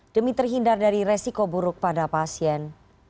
demi terhindar dari resiko buruk pada pasien